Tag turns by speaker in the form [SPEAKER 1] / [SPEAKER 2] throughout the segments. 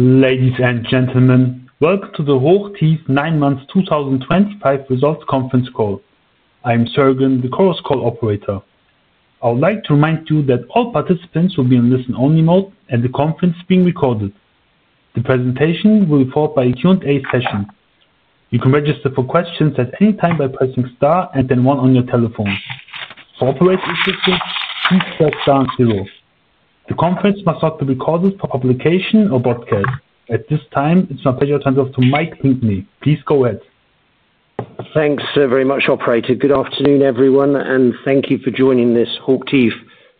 [SPEAKER 1] Ladies and gentlemen, welcome to the HOCHTIEF nine months 2025 results conference call. I am Sergeant, the chorus call operator. I would like to remind you that all participants will be in listen-only mode, and the conference is being recorded. The presentation will be followed by a Q&A session. You can register for questions at any time by pressing star and then one on your telephone. For operator assistance, please press star and zero. The conference must not be recorded for publication or broadcast. At this time, it's my pleasure to hand off to Mike Pinkney. Please go ahead.
[SPEAKER 2] Thanks very much, Operator. Good afternoon, everyone, and thank you for joining this HOCHTIEF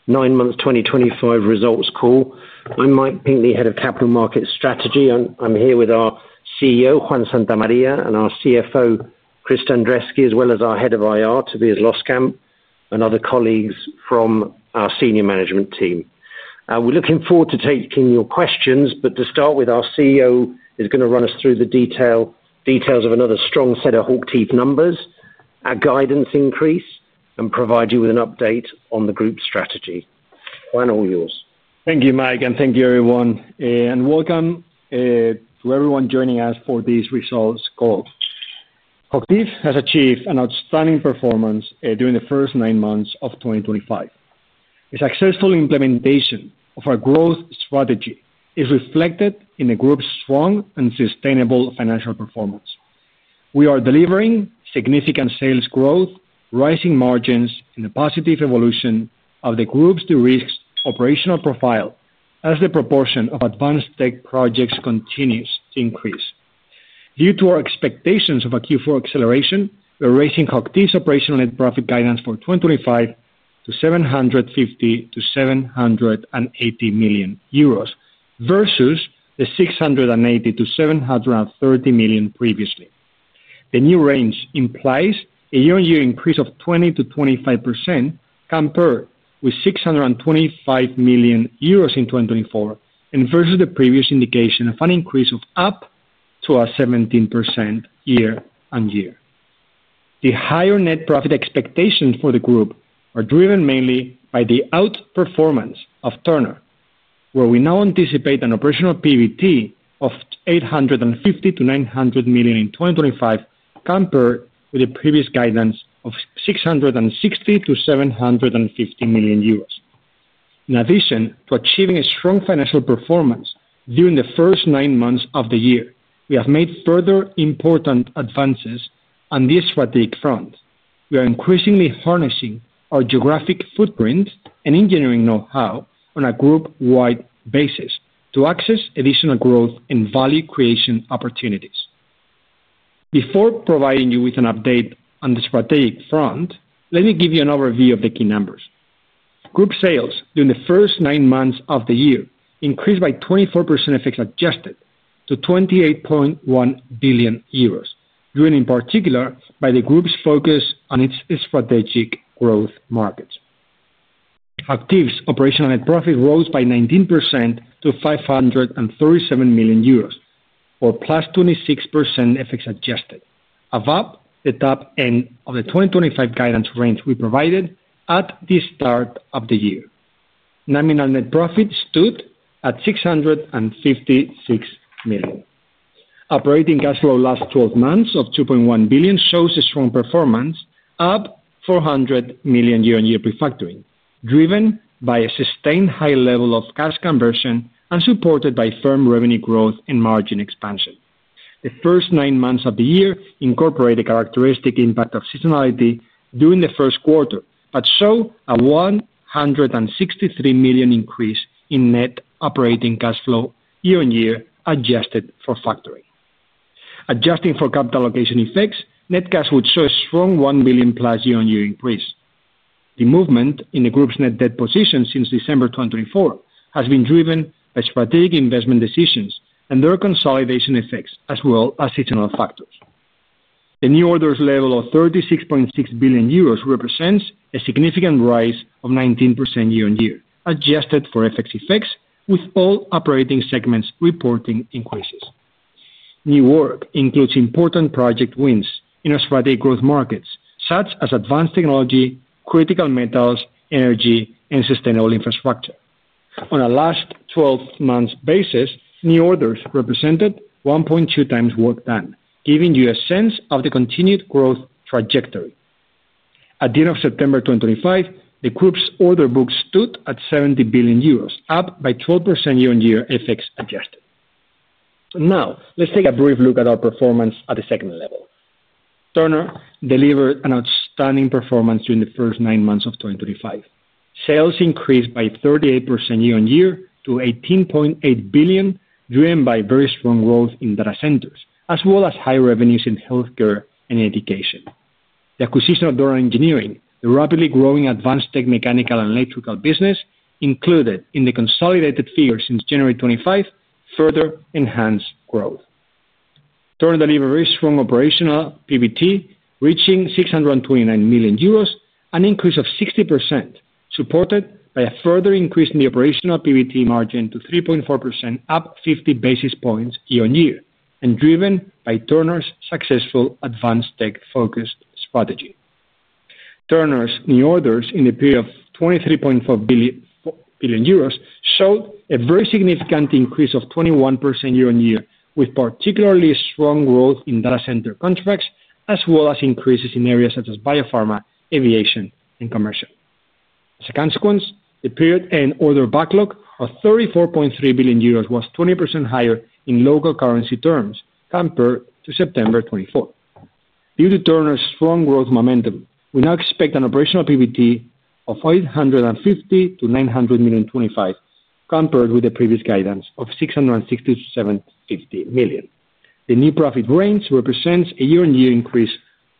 [SPEAKER 2] nine Months 2025 Results Call. I'm Mike Pinkney, Head of Capital Market Strategy. I'm here with our CEO, Juan Santamaría, and our CFO, Christa Andresky, as well as our Head of IR, Tobias Loskamp, and other colleagues from our senior management team. We're looking forward to taking your questions, but to start with, our CEO is going to run us through the details of another strong set of HOCHTIEF numbers, a guidance increase, and provide you with an update on the group strategy. Juan, all yours.
[SPEAKER 3] Thank you, Mike, and thank you, everyone. Welcome to everyone joining us for this results call. HOCHTIEF has achieved an outstanding performance during the first nine months of 2025. The successful implementation of our growth strategy is reflected in the group's strong and sustainable financial performance. We are delivering significant sales growth, rising margins, and a positive evolution of the group's due risks operational profile as the proportion of advanced tech projects continues to increase. Due to our expectations of a Q4 acceleration, we are raising HOCHTIEF's operational net profit guidance for 2025 to 750 million-780 million euros versus the 680 million-730 million previously. The new range implies a year-on-year increase of 20%-25% compared with 625 million euros in 2024 and versus the previous indication of an increase of up to a 17% year on year. The higher net profit expectations for the group are driven mainly by the outperformance of Turner, where we now anticipate an operational PVT of 850 million-900 million in 2025 compared with the previous guidance of 660 million-750 million euros. In addition to achieving a strong financial performance during the first nine months of the year, we have made further important advances on this strategic front. We are increasingly harnessing our geographic footprint and engineering know-how on a group-wide basis to access additional growth and value creation opportunities. Before providing you with an update on the strategic front, let me give you an overview of the key numbers. Group sales during the first nine months of the year increased by 24% if exadjusted to 28.1 billion euros, driven in particular by the group's focus on its strategic growth markets. HOCHTIEF's operational net profit rose by 19% to 537 million euros, or plus 26% if ex-adjusted, above the top end of the 2025 guidance range we provided at the start of the year. Nominal net profit stood at 656 million. Operating cash flow last 12 months of 2.1 billion shows a strong performance of 400 million year-on-year refactoring, driven by a sustained high level of cash conversion and supported by firm revenue growth and margin expansion. The first nine months of the year incorporated the characteristic impact of seasonality during the first quarter, but saw a 163 million increase in net operating cash flow year-on-year adjusted for factoring. Adjusting for capital allocation effects, net cash would show a strong 1 billion plus year-on-year increase. The movement in the group's net debt position since December 2024 has been driven by strategic investment decisions and their consolidation effects, as well as seasonal factors. The new orders level of 36.6 billion euros represents a significant rise of 19% year-on-year, adjusted for FX effects, with all operating segments reporting increases. New work includes important project wins in our strategic growth markets, such as advanced technology, critical metals, energy, and sustainable infrastructure. On a last 12-month basis, new orders represented 1.2x work done, giving you a sense of the continued growth trajectory. At the end of September 2025, the group's order book stood at 70 billion euros, up by 12% year-on-year FX adjusted. Now, let's take a brief look at our performance at the second level. Turner delivered an outstanding performance during the first nine months of 2025. Sales increased by 38% year-on-year to 18.8 billion, driven by very strong growth in data centers, as well as high revenues in healthcare and education. The acquisition of Dornan Engineering, the rapidly growing advanced tech mechanical and electrical business, included in the consolidated figure since January 25, further enhanced growth. Turner delivered a very strong operational PVT, reaching 629 million euros, an increase of 60%, supported by a further increase in the operational PVT margin to 3.4%, up 50 basis points year-on-year, and driven by Turner's successful advanced tech-focused strategy. Turner's new orders in the period of 23.4 billion euros showed a very significant increase of 21% year-on-year, with particularly strong growth in data center contracts, as well as increases in areas such as biopharma, aviation, and commercial. As a consequence, the period-end order backlog of 34.3 billion euros was 20% higher in local currency terms compared to September 2024. Due to Turner's strong growth momentum, we now expect an operational PVT of 850-925 million, compared with the previous guidance of 660-750 million. The new profit range represents a year-on-year increase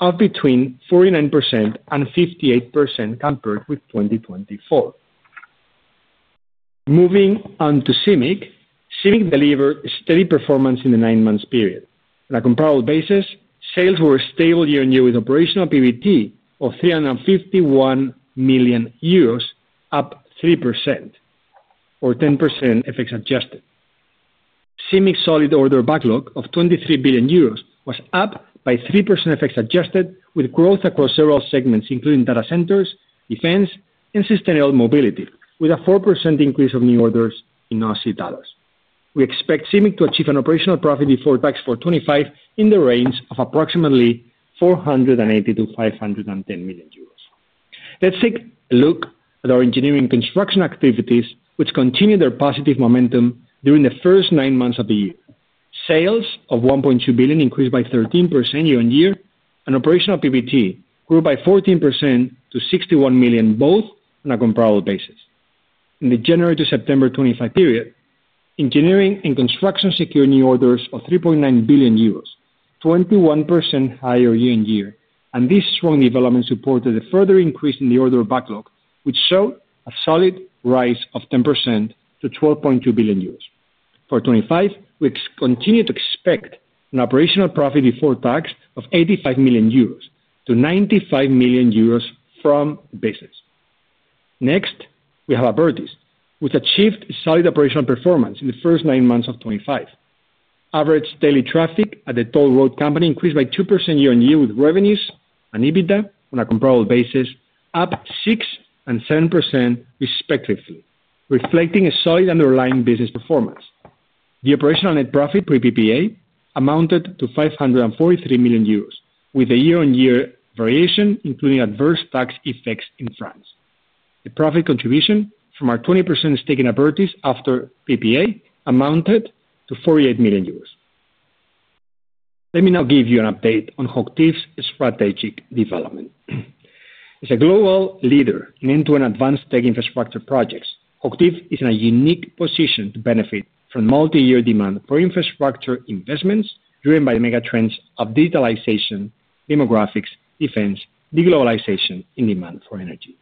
[SPEAKER 3] of between 49% and 58% compared with 2024. Moving on to CIMIC. CIMIC delivered steady performance in the nine-month period. On a comparable basis, sales were stable year-on-year with operational PVT of 351 million euros, up 3%, or 10% FX adjusted. CIMIC's solid order backlog of 23 billion euros was up by 3% FX adjusted, with growth across several segments, including data centers, defense, and sustainable mobility, with a 4% increase of new orders in Australia. We expect CIMIC to achieve an operational profit before tax for 2025 in the range of approximately 480-510 million euros. Let's take a look at our engineering construction activities, which continued their positive momentum during the first nine months of the year. Sales of 1.2 billion increased by 13% year-on-year, and operational PVT grew by 14% to 61 million, both on a comparable basis. In the January to September 2025 period, engineering and construction secured new orders of 3.9 billion euros, 21% higher year-on-year, and this strong development supported the further increase in the order backlog, which showed a solid rise of 10% to 12.2 billion euros. For 2025, we continue to expect an operational profit before tax of 85 million-95 million euros from the basis. Next, we have Abertis, which achieved solid operational performance in the first nine months of 2025. Average daily traffic at the toll road company increased by 2% year-on-year, with revenues and EBITDA, on a comparable basis, up 6% and 7% respectively, reflecting a solid underlying business performance. The operational net profit pre-PPA amounted to 543 million euros, with a year-on-year variation, including adverse tax effects in France. The profit contribution from our 20% stake in Abertis after PPA amounted to 48 million euros. Let me now give you an update on HOCHTIEF's strategic development. As a global leader in end-to-end advanced tech infrastructure projects, HOCHTIEF is in a unique position to benefit from multi-year demand for infrastructure investments driven by the megatrends of digitalization, demographics, defense, and deglobalization in demand for energy.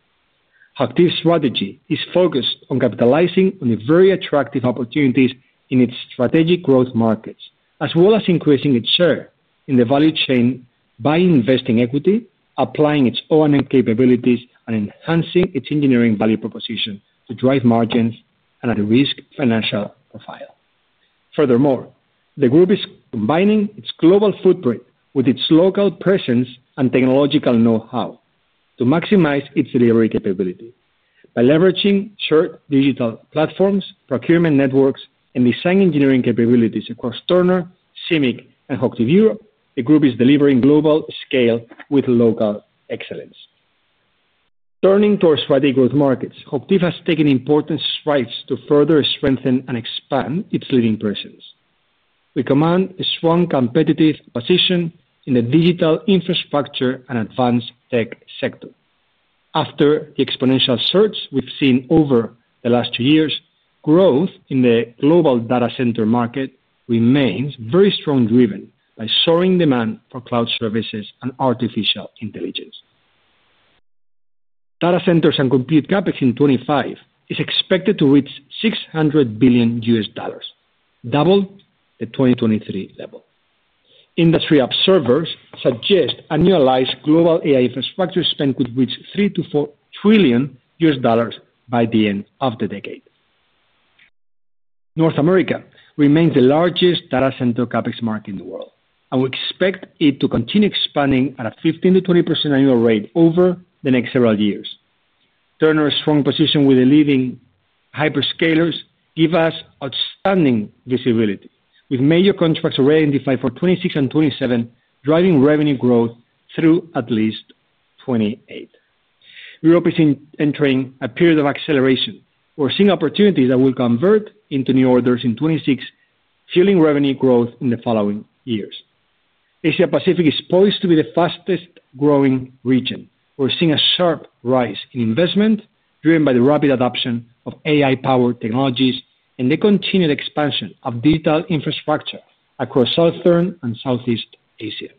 [SPEAKER 3] HOCHTIEF's strategy is focused on capitalizing on the very attractive opportunities in its strategic growth markets, as well as increasing its share in the value chain by investing equity, applying its O&M capabilities, and enhancing its engineering value proposition to drive margins and at-risk financial profile. Furthermore, the group is combining its global footprint with its local presence and technological know-how to maximize its delivery capability. By leveraging shared digital platforms, procurement networks, and design engineering capabilities across Turner, CIMIC, and HOCHTIEF Europe, the group is delivering global scale with local excellence. Turning to our strategic growth markets, HOCHTIEF has taken important strides to further strengthen and expand its leading presence. We command a strong competitive position in the digital infrastructure and advanced tech sector. After the exponential surge we have seen over the last two years, growth in the global data center market remains very strongly driven by soaring demand for cloud services and artificial intelligence. Data centers and compute CapEx in 2025 is expected to reach $600 billion, doubling the 2023 level. Industry observers suggest annualized global AI infrastructure spend could reach $3 trillion-$4 trillion by the end of the decade. North America remains the largest data center CapEx market in the world, and we expect it to continue expanding at a 15%-20% annual rate over the next several years. Turner's strong position with the leading hyperscalers gives us outstanding visibility, with major contracts already identified for 2026 and 2027 driving revenue growth through at least 2028. Europe is entering a period of acceleration. We're seeing opportunities that will convert into new orders in 2026, fueling revenue growth in the following years. Asia-Pacific is poised to be the fastest-growing region. We're seeing a sharp rise in investment driven by the rapid adoption of AI-powered technologies and the continued expansion of digital infrastructure across Southern and Southeast Asia.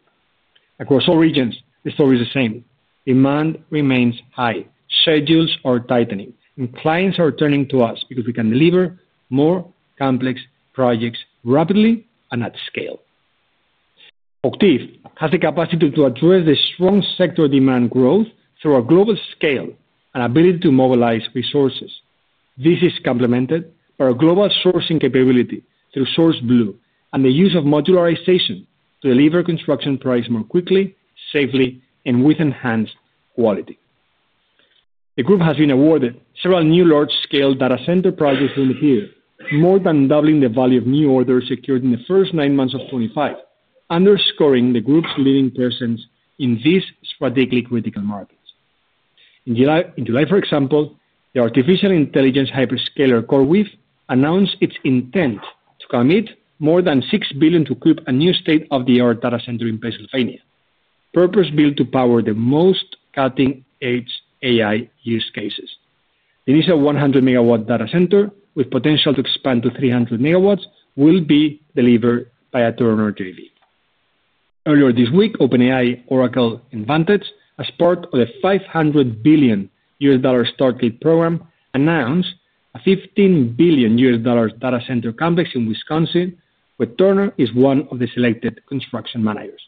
[SPEAKER 3] Across all regions, the story is the same. Demand remains high. Schedules are tightening, and clients are turning to us because we can deliver more complex projects rapidly and at scale. HOCHTIEF has the capacity to address the strong sector demand growth through a global scale and ability to mobilize resources. This is complemented by our global sourcing capability through SourceBlue and the use of modularization to deliver construction prices more quickly, safely, and with enhanced quality. The group has been awarded several new large-scale data center projects during the period, more than doubling the value of new orders secured in the first nine months of 2025, underscoring the group's leading presence in these strategically critical markets. In July, for example, the artificial intelligence hyperscaler CoreWeave announced its intent to commit more than $6 billion to equip a new state-of-the-art data center in Pennsylvania, purpose-built to power the most cutting-edge AI use cases. The initial 100 megawatt data center, with potential to expand to 300 megawatts, will be delivered by a Turner JV. Earlier this week, OpenAI Oracle Advantage, as part of the $500 billion start-up program, announced a $15 billion data center complex in Wisconsin, where Turner is one of the selected construction managers.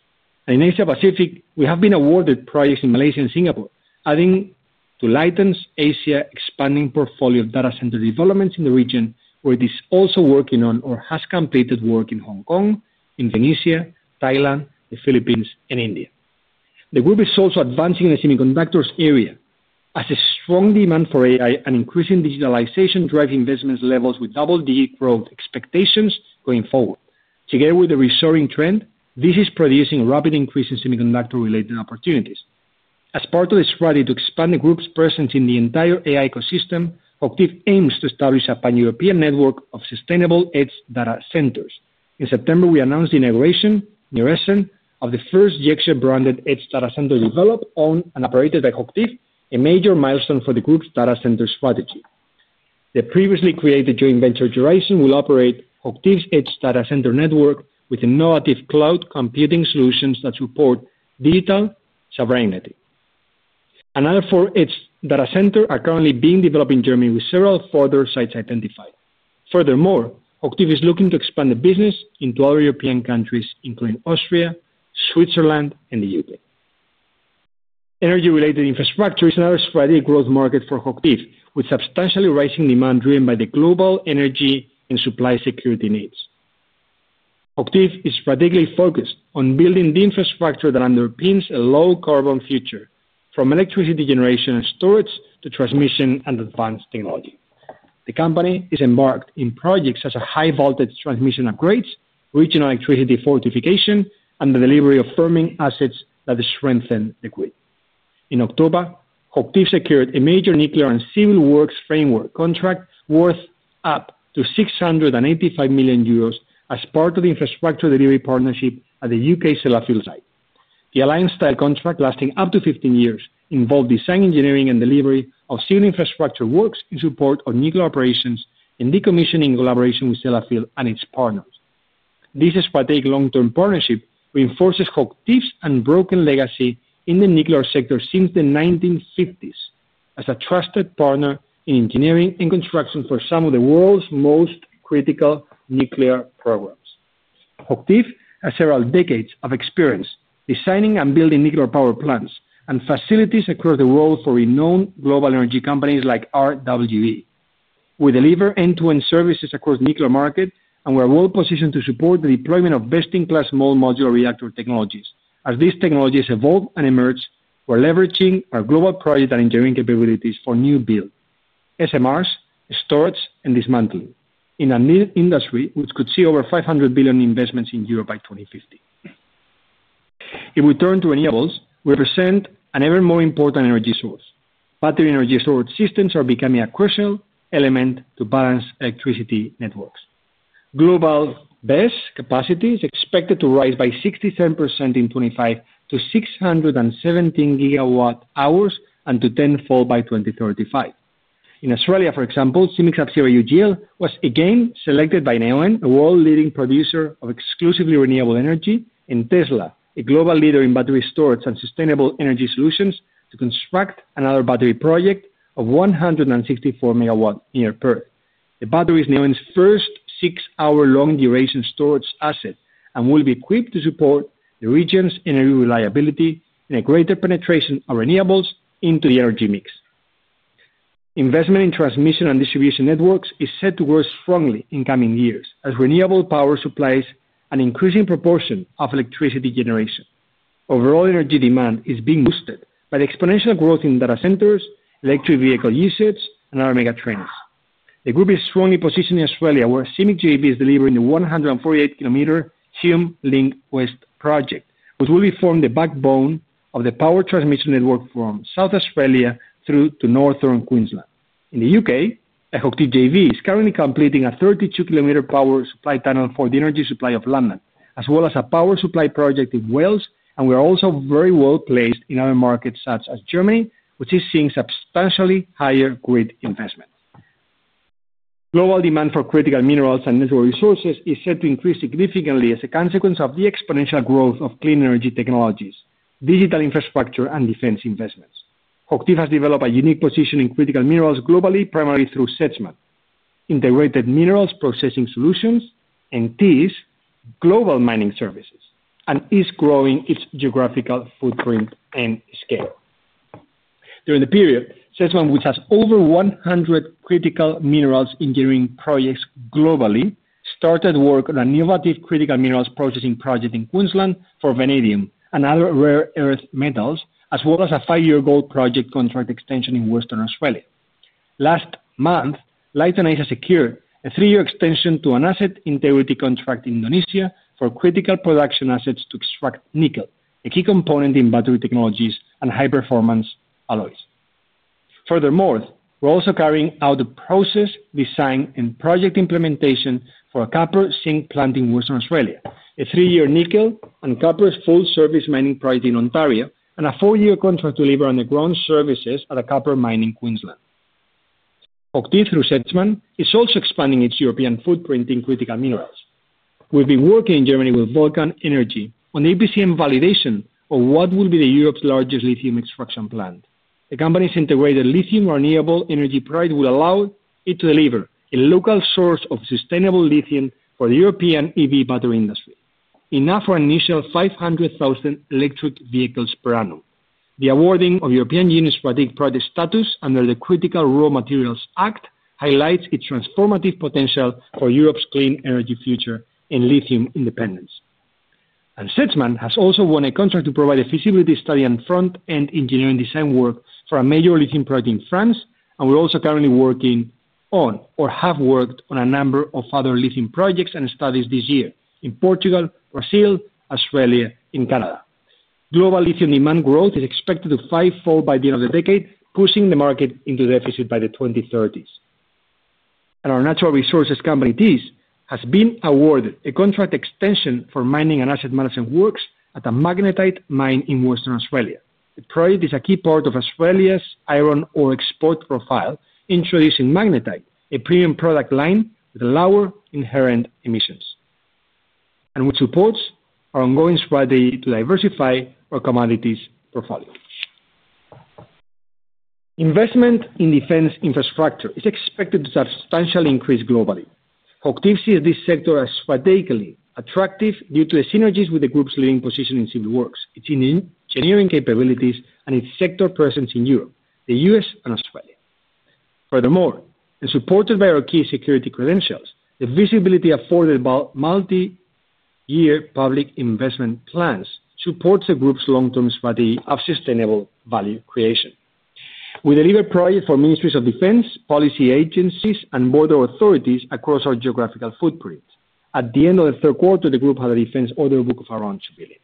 [SPEAKER 3] In Asia-Pacific, we have been awarded projects in Malaysia and Singapore, adding to Leighton Asia's expanding portfolio of data center developments in the region, where it is also working on or has completed work in Hong Kong, Indonesia, Thailand, the Philippines, and India. The group is also advancing in the semiconductors area, as the strong demand for AI and increasing digitalization drive investment levels with double-digit growth expectations going forward. Together with the reshoring trend, this is producing a rapid increase in semiconductor-related opportunities. As part of the strategy to expand the group's presence in the entire AI ecosystem, HOCHTIEF aims to establish a pan-European network of sustainable edge data centers. In September, we announced the inauguration near Essen of the first JEXER-branded edge data center developed on and operated by HOCHTIEF, a major milestone for the group's data center strategy. The previously created joint venture, JURISON, will operate HOCHTIEF's edge data center network with innovative cloud computing solutions that support digital sovereignty. Another four edge data centers are currently being developed in Germany, with several further sites identified. Furthermore, HOCHTIEF is looking to expand the business into other European countries, including Austria, Switzerland, and the U.K. Energy-related infrastructure is another strategic growth market for HOCHTIEF, with substantially rising demand driven by the global energy and supply security needs. HOCHTIEF is strategically focused on building the infrastructure that underpins a low-carbon future, from electricity generation and storage to transmission and advanced technology. The company is embarked on projects such as high-voltage transmission upgrades, regional electricity fortification, and the delivery of firming assets that strengthen the grid. In October, HOCHTIEF secured a major nuclear and civil works framework contract worth up to 685 million euros as part of the infrastructure delivery partnership at the U.K. Sellafield site. The Alliance-style contract, lasting up to 15 years, involved design, engineering, and delivery of civil infrastructure works in support of nuclear operations and decommissioning in collaboration with Sellafield and its partners. This strategic long-term partnership reinforces HOCHTIEF's unbroken legacy in the nuclear sector since the 1950s as a trusted partner in engineering and construction for some of the world's most critical nuclear programs. HOCHTIEF has several decades of experience designing and building nuclear power plants and facilities across the world for renowned global energy companies like RWE. We deliver end-to-end services across the nuclear market, and we are well-positioned to support the deployment of best-in-class small modular reactor technologies. As these technologies evolve and emerge, we're leveraging our global project and engineering capabilities for new builds, SMRs, storage, and dismantling in an industry which could see over $500 billion in investments in Europe by 2050. If we turn to renewables, we represent an ever-more important energy source. Battery energy storage systems are becoming a crucial element to balance electricity networks. Global base capacity is expected to rise by 67% in 2025 to 617 gigawatt-hours and to 10-fold by 2035. In Australia, for example, CIMIC's subsidiary UGL was again selected by NEON, a world-leading producer of exclusively renewable energy, and Tesla, a global leader in battery storage and sustainable energy solutions, to construct another battery project of 164 megawatt-year peak. The battery is NEON's first six-hour-long duration storage asset and will be equipped to support the region's energy reliability and a greater penetration of renewables into the energy mix. Investment in transmission and distribution networks is set to grow strongly in coming years as renewable power supplies an increasing proportion of electricity generation. Overall energy demand is being boosted by the exponential growth in data centers, electric vehicle usage, and other megatrends. The group is strongly positioned in Australia, where CIMIC JV is delivering the 148 km Hume Link West project, which will form the backbone of the power transmission network from South Australia through to Northern Queensland. In the U.K., HOCHTIEF JV is currently completing a 32-kilometer power supply tunnel for the energy supply of London, as well as a power supply project in Wales, and we are also very well placed in other markets such as Germany, which is seeing substantially higher grid investment. Global demand for critical minerals and natural resources is set to increase significantly as a consequence of the exponential growth of clean energy technologies, digital infrastructure, and defense investments. HOCHTIEF has developed a unique position in critical minerals globally, primarily through SEDSMAN, Integrated Minerals Processing Solutions (NTS), Global Mining Services, and is growing its geographical footprint and scale. During the period, SEDSMAN, which has over 100 critical minerals engineering projects globally, started work on an innovative critical minerals processing project in Queensland for vanadium and other rare earth metals, as well as a five-year gold project contract extension in Western Australia. Last month, Leighton Asia has secured a three-year extension to an asset integrity contract in Indonesia for critical production assets to extract nickel, a key component in battery technologies and high-performance alloys. Furthermore, we're also carrying out the process, design, and project implementation for a copper zinc plant in Western Australia, a three-year nickel and copper full-service mining project in Ontario, and a four-year contract to deliver underground services at a copper mine in Queensland. HOCHTIEF, through Sedgman, is also expanding its European footprint in critical minerals. We've been working in Germany with Volcan Energy on the EPCM validation of what will be Europe's largest lithium extraction plant. The company's integrated lithium-renewable energy project will allow it to deliver a local source of sustainable lithium for the European EV battery industry, enough for an initial 500,000 electric vehicles per annum. The awarding of European Union's Strategic Project status under the Critical Raw Materials Act highlights its transformative potential for Europe's clean energy future and lithium independence. SEDSMAN has also won a contract to provide a feasibility study and front-end engineering design work for a major lithium project in France, and we're also currently working on, or have worked on, a number of other lithium projects and studies this year in Portugal, Brazil, Australia, and Canada. Global lithium demand growth is expected to fivefold by the end of the decade, pushing the market into deficit by the 2030s. Our natural resources company, Thiess, has been awarded a contract extension for mining and asset management works at a magnetite mine in Western Australia. The project is a key part of Australia's iron ore export profile, introducing magnetite, a premium product line with lower inherent emissions. Which supports our ongoing strategy to diversify our commodities portfolio. Investment in defense infrastructure is expected to substantially increase globally. HOCHTIEF sees this sector as strategically attractive due to the synergies with the group's leading position in civil works, its engineering capabilities, and its sector presence in Europe, the U.S., and Australia. Furthermore, and supported by our key security credentials, the visibility afforded by multi-year public investment plans supports the group's long-term strategy of sustainable value creation. We deliver projects for ministries of defense, police agencies, and border authorities across our geographical footprint. At the end of the third quarter, the group had a defense order book of around $2 billion.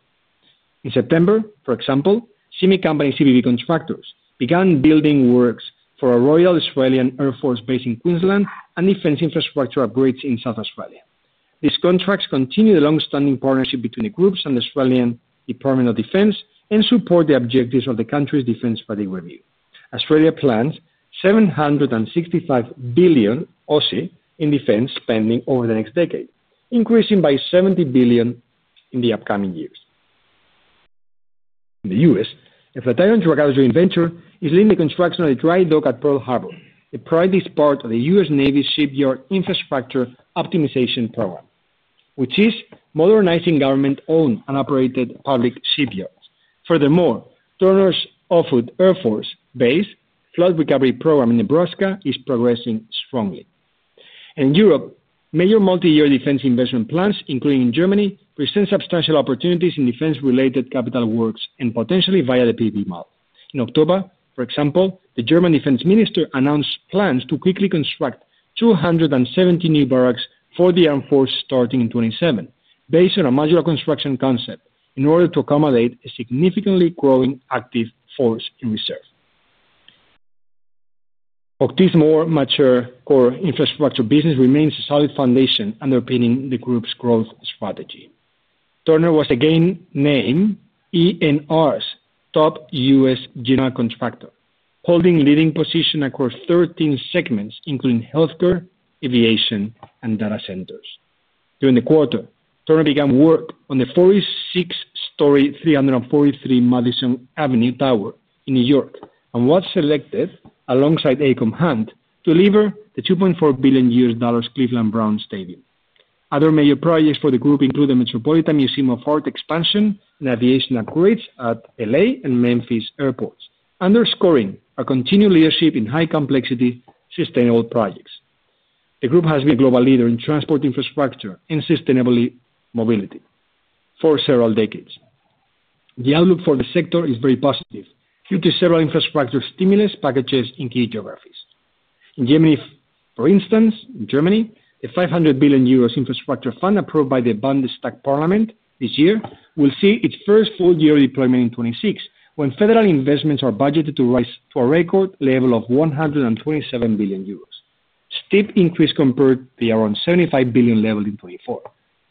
[SPEAKER 3] In September, for example, CIMIC company CBB Constructors began building works for a Royal Australian Air Force base in Queensland and defense infrastructure upgrades in South Australia. These contracts continue the long-standing partnership between the groups and the Australian Department of Defense and support the objectives of the country's defense strategy review. Australia plans 765 billion in defense spending over the next decade, increasing by 70 billion in the upcoming years. In the U.S., a FlatironDragados Joint Venture is leading the construction of the dry dock at Pearl Harbor, a project that is part of the U.S. Navy Shipyard Infrastructure Optimization Program, which is modernizing government-owned and operated public shipyards. Furthermore, Turner's Offutt Air Force Base Flood Recovery Program in Nebraska is progressing strongly. In Europe, major multi-year defense investment plans, including in Germany, present substantial opportunities in defense-related capital works and potentially via the PV model. In October, for example, the German defense minister announced plans to quickly construct 270 new barracks for the Armed Forces starting in 2027, based on a modular construction concept, in order to accommodate a significantly growing active force in reserve. HOCHTIEF's more mature core infrastructure business remains a solid foundation underpinning the group's growth strategy. Turner was again named ENR's top US general contractor, holding a leading position across 13 segments, including healthcare, aviation, and data centers. During the quarter, Turner began work on the 46-story 343 Madison Avenue Tower in New York and was selected, alongside Graham Hunt, to deliver the $2.4 billion Cleveland Browns Stadium. Other major projects for the group include the Metropolitan Museum of Art expansion and aviation upgrades at L.A and Memphis airports, underscoring a continued leadership in high-complexity, sustainable projects. The group has been a global leader in transport infrastructure and sustainable mobility for several decades. The outlook for the sector is very positive due to several infrastructure stimulus packages in key geographies. In Germany, for instance, the 500 billion euros infrastructure fund approved by the Bundestag Parliament this year will see its first full-year deployment in 2026, when federal investments are budgeted to rise to a record level of 127 billion euros, a steep increase compared to the around $75 billion level in 2024.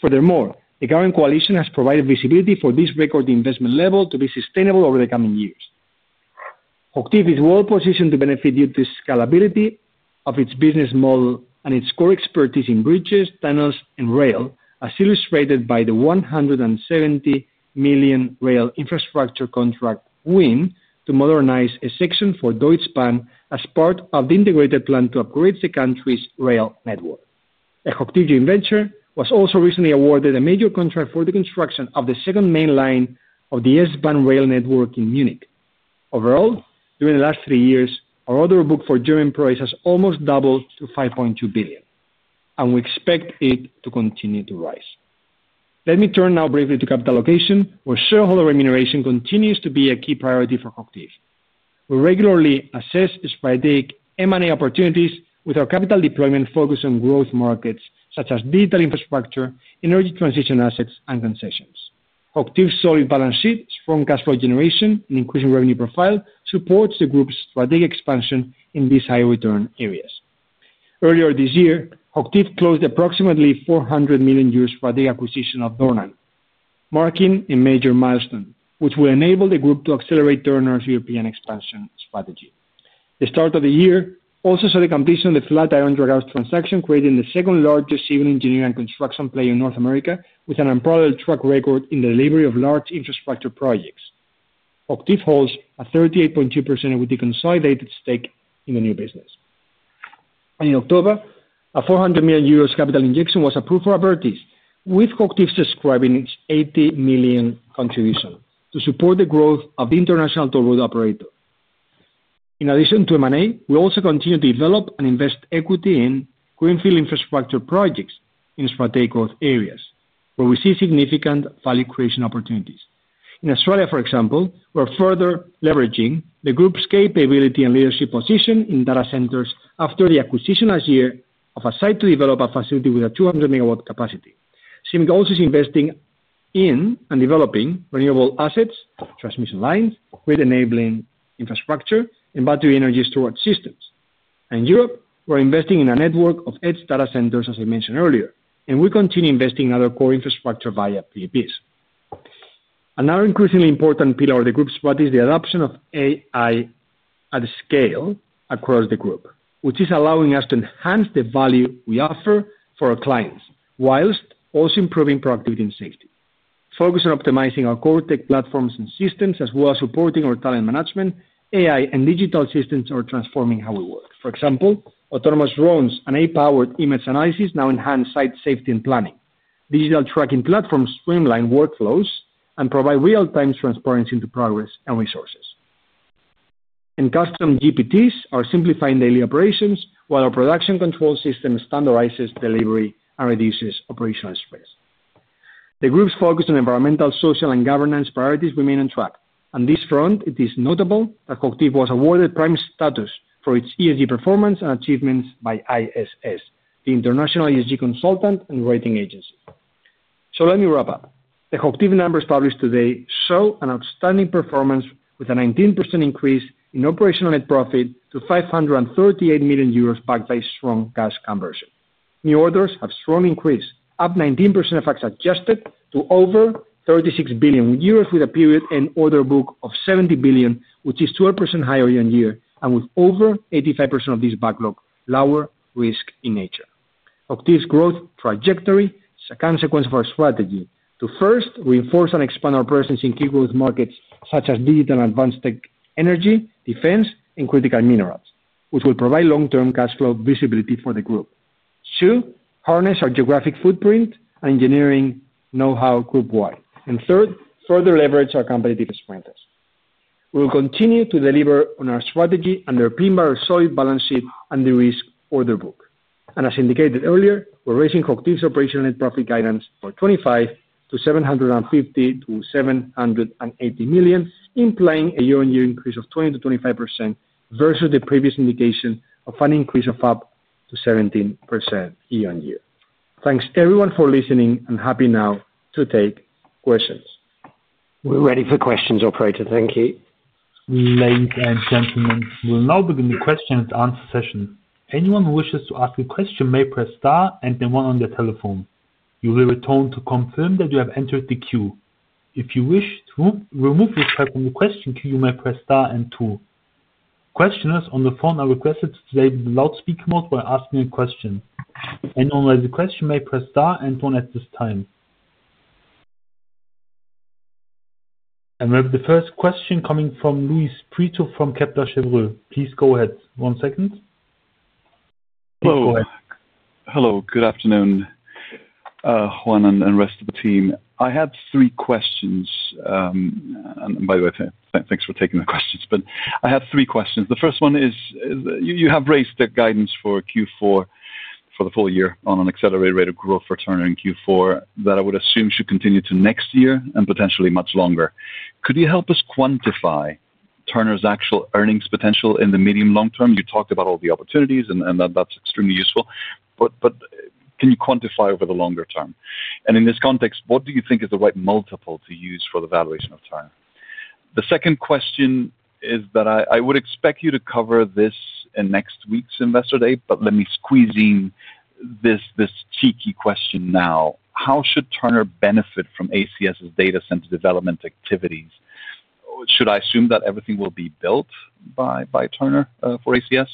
[SPEAKER 3] Furthermore, the current coalition has provided visibility for this record investment level to be sustainable over the coming years. HOCHTIEF is well-positioned to benefit due to the scalability of its business model and its core expertise in bridges, tunnels, and rail, as illustrated by the $170 million rail infrastructure contract win to modernize a section for Deutsche Bahn as part of the integrated plan to upgrade the country's rail network. The HOCHTIEF joint venture was also recently awarded a major contract for the construction of the second main line of the S-Bahn rail network in Munich. Overall, during the last three years, our order book for German projects has almost doubled to 5.2 billion, and we expect it to continue to rise. Let me turn now briefly to capital allocation, where shareholder remuneration continues to be a key priority for HOCHTIEF. We regularly assess strategic M&A opportunities with our capital deployment focused on growth markets such as digital infrastructure, energy transition assets, and concessions. HOCHTIEF's solid balance sheet, strong cash flow generation, and increasing revenue profile support the group's strategic expansion in these high-return areas. Earlier this year, HOCHTIEF closed the approximately $400 million strategic acquisition of Dornan, marking a major milestone, which will enable the group to accelerate Turner's European expansion strategy. The start of the year also saw the completion of the FlatironDragados transaction, creating the second-largest civil engineering and construction player in North America, with an unparalleled track record in the delivery of large infrastructure projects. HOCHTIEF holds a 38.2% equity consolidated stake in the new business. In October, a 400 million euros capital injection was approved for Abertis, with HOCHTIEF subscribing its $80 million contribution to support the growth of the international toll road operator. In addition to M&A, we also continue to develop and invest equity in greenfield infrastructure projects in strategic growth areas, where we see significant value creation opportunities. In Australia, for example, we're further leveraging the group's capability and leadership position in data centers after the acquisition last year of a site to develop a facility with a 200 megawatt capacity. CIMIC also is investing in and developing renewable assets, transmission lines, grid-enabling infrastructure, and battery energy storage systems. In Europe, we're investing in a network of edge data centers, as I mentioned earlier, and we continue investing in other core infrastructure via PPs. Another increasingly important pillar of the group's strategy is the adoption of AI at scale across the group, which is allowing us to enhance the value we offer for our clients, whilst also improving productivity and safety. Focused on optimizing our core tech platforms and systems, as well as supporting our talent management, AI, and digital systems that are transforming how we work. For example, autonomous drones and AI-powered image analysis now enhance site safety and planning. Digital tracking platforms streamline workflows and provide real-time transparency into progress and resources. Custom GPTs are simplifying daily operations, while our production control system standardizes delivery and reduces operational stress. The group's focus on environmental, social, and governance priorities remains on track. On this front, it is notable that HOCHTIEF was awarded prime status for its ESG performance and achievements by ISS, the international ESG consultant and rating agency. Let me wrap up. The HOCHTIEF numbers published today show an outstanding performance, with a 19% increase in operational net profit to 538 million euros backed by strong cash conversion. New orders have strongly increased, up 19% ex-adjusted to over $36 billion, with a period-end order book of $70 billion, which is 12% higher year on year, and with over 85% of this backlog lower risk in nature. HOCHTIEF's growth trajectory is a consequence of our strategy to first reinforce and expand our presence in key growth markets such as digital and advanced tech, energy, defense, and critical minerals, which will provide long-term cash flow visibility for the group. Two, harness our geographic footprint and engineering know-how group-wide. Third, further leverage our company's deepest pointers. We will continue to deliver on our strategy under a clean but solid balance sheet and the risk order book. As indicated earlier, we're raising HOCHTIEF's operational net profit guidance for 2025 to 750 million-780 million, implying a year-on-year increase of 20%-25% versus the previous indication of an increase of up to 17% year on year. Thanks, everyone, for listening, and happy now to take questions.
[SPEAKER 2] We're ready for questions, operator. Thank you.
[SPEAKER 1] Ladies and gentlemen, we'll now begin the question-and-answer session. Anyone who wishes to ask a question may press star and then one on their telephone. You will return to confirm that you have entered the queue. If you wish to remove yourself from the question queue, you may press star and two. Questioners on the phone are requested to stay in the loudspeaker mode while asking a question. Anyone who has a question may press star and one at this time. We have the first question coming from Luis Prieto from Kepler Cheuvreux. Please go ahead. One second. Please go ahead.
[SPEAKER 4] Hello. Good afternoon. Juan and the rest of the team. I have three questions. By the way, thanks for taking the questions. I have three questions. The first one is you have raised the guidance for Q4 for the full year on an accelerated rate of growth for Turner in Q4 that I would assume should continue to next year and potentially much longer. Could you help us quantify Turner's actual earnings potential in the medium-long term? You talked about all the opportunities, and that's extremely useful. Can you quantify over the longer term? In this context, what do you think is the right multiple to use for the valuation of Turner? The second question is that I would expect you to cover this in next week's Investor Day, but let me squeeze in this cheeky question now. How should Turner benefit from ACS's data center development activities? Should I assume that everything will be built by Turner for ACS?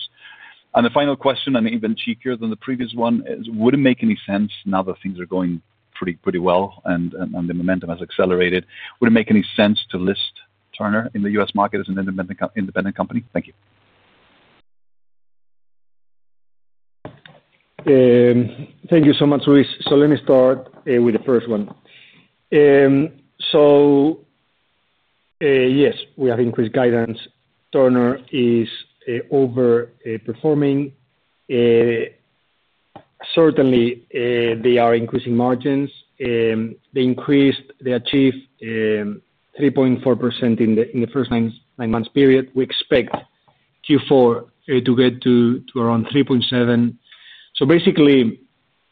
[SPEAKER 4] The final question, and even cheekier than the previous one, is would it make any sense now that things are going pretty well and the momentum has accelerated, would it make any sense to list Turner in the US market as an independent company? Thank you.
[SPEAKER 3] Thank you so much, Luis. Let me start with the first one. Yes, we have increased guidance. Turner is overperforming. Certainly, they are increasing margins. They achieved 3.4% in the first nine-month period. We expect Q4 to get to around 3.7%. Basically.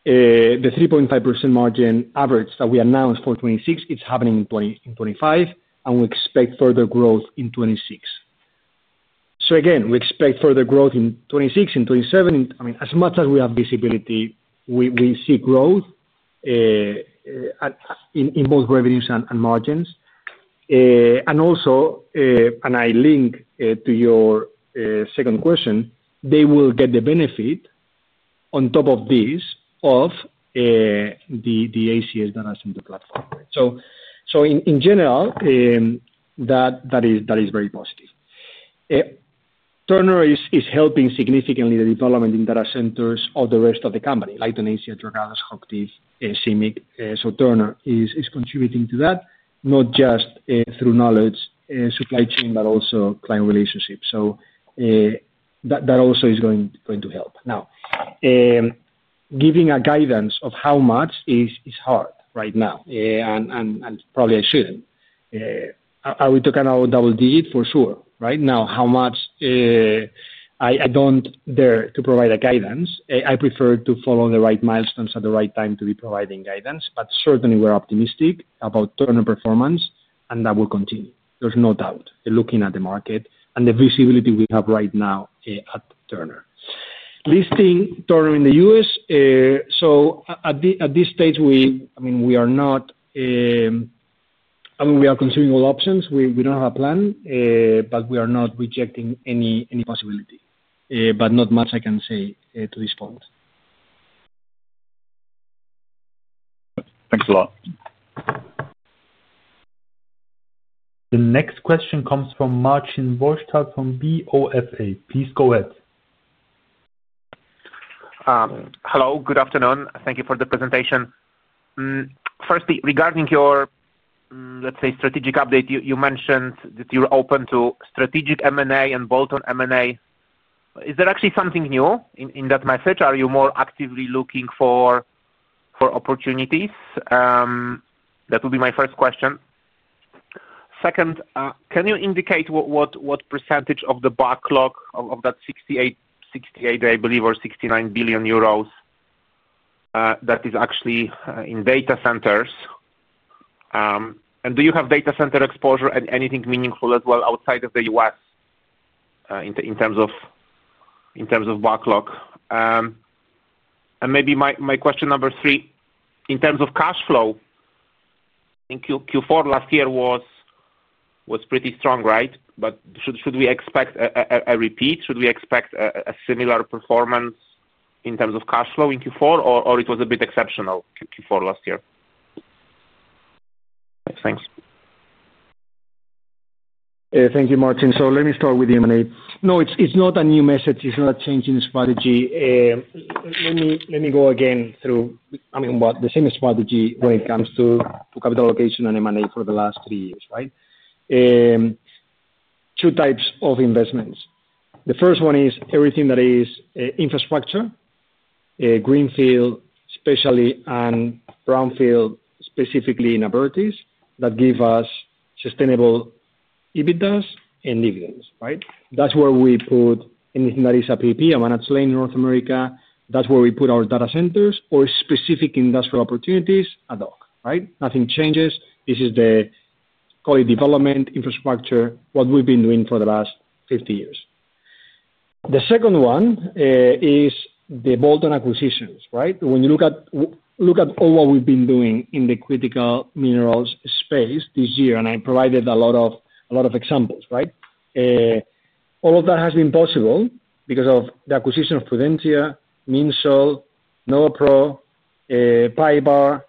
[SPEAKER 3] The 3.5% margin average that we announced for 2026, it's happening in 2025, and we expect further growth in 2026. Again, we expect further growth in 2026, in 2027. I mean, as much as we have visibility, we see growth in both revenues and margins. Also, and I link to your second question, they will get the benefit on top of this of the ACS data center platform. In general, that is very positive. Turner is helping significantly the development in data centers of the rest of the company, like Dornan, FlatironDragados, HOCHTIEF, CIMIC. Turner is contributing to that, not just through knowledge and supply chain, but also client relationships. That also is going to help. Now, giving a guidance of how much is hard right now, and probably I shouldn't. Are we talking about double digits? For sure. Right now, how much. I do not dare to provide a guidance. I prefer to follow the right milestones at the right time to be providing guidance. Certainly, we are optimistic about Turner performance, and that will continue. There is no doubt. Looking at the market and the visibility we have right now at Turner. Listing Turner in the US, at this stage, I mean, we are not. I mean, we are considering all options. We do not have a plan, but we are not rejecting any possibility. Not much I can say to this point.
[SPEAKER 4] Thanks a lot.
[SPEAKER 1] The next question comes from Marcin Borchtak from BOFA. Please go ahead.
[SPEAKER 5] Hello. Good afternoon. Thank you for the presentation. Firstly, regarding your, let's say, strategic update, you mentioned that you are open to strategic M&A and bolt-on M&A. Is there actually something new in that message? Are you more actively looking for opportunities? That would be my first question. Second, can you indicate what percentage of the backlog of that 68, I believe, or 69 billion euros, that is actually in data centers? And do you have data center exposure and anything meaningful as well outside of the US in terms of backlog? And maybe my question number three, in terms of cash flow. I think Q4 last year was pretty strong, right? Should we expect a repeat? Should we expect a similar performance in terms of cash flow in Q4, or was it a bit exceptional, Q4 last year? Thanks.
[SPEAKER 3] Thank you, Marcin. Let me start with M&A. No, it's not a new message. It's not a change in strategy. Let me go again through, I mean, the same strategy when it comes to capital allocation and M&A for the last three years, right? Two types of investments. The first one is everything that is infrastructure. Greenfield, especially, and brownfield, specifically in Abertis, that give us sustainable EBITDAs and dividends, right? That's where we put anything that is a PP, a managed lane in North America. That's where we put our data centers or specific industrial opportunities at DOC, right? Nothing changes. This is the, call it, development infrastructure, what we've been doing for the last 50 years. The second one is the bolt-on acquisitions, right? When you look at all what we've been doing in the critical minerals space this year, and I provided a lot of examples, right? All of that has been possible because of the acquisition of Prudentia, Minsol, Novapro, Pipar,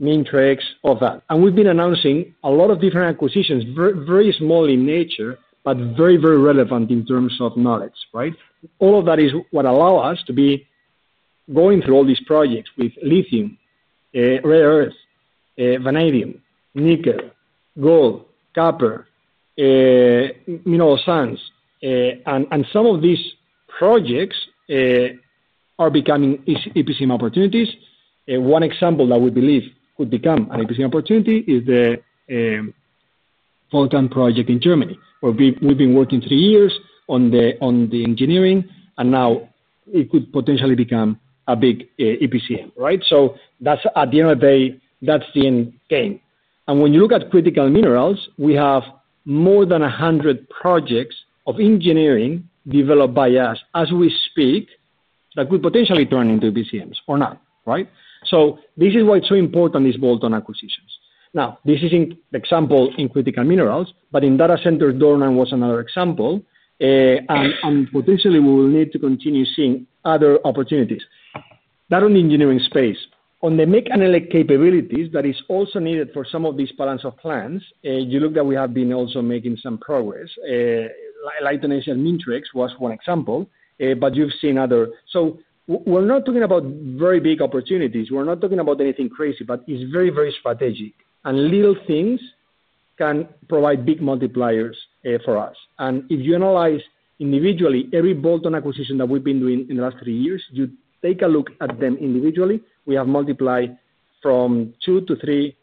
[SPEAKER 3] MinTrax, all that. And we've been announcing a lot of different acquisitions, very small in nature, but very, very relevant in terms of knowledge, right? All of that is what allows us to be going through all these projects with lithium, rare earth, vanadium, nickel, gold, copper, mineral sands. And some of these projects are becoming epistemic opportunities. One example that we believe could become an epistemic opportunity is the Volcan project in Germany, where we've been working three years on the engineering, and now it could potentially become a big EPCM, right? At the end of the day, that's the end game. When you look at critical minerals, we have more than 100 projects of engineering developed by us as we speak that could potentially turn into EPCMs or not, right? This is why it's so important, these bolt-on acquisitions. This is an example in critical minerals, but in data centers, Dornan was another example. Potentially, we will need to continue seeing other opportunities. Not only in the engineering space. On the MIC and LA capabilities that is also needed for some of these balance of plans, you look that we have been also making some progress. Like Donatia and MinTrax was one example, but you've seen other. We're not talking about very big opportunities. We're not talking about anything crazy, but it's very, very strategic. Little things can provide big multipliers for us. If you analyze individually every bolt-on acquisition that we've been doing in the last three years, you take a look at them individually, we have multiplied from two to three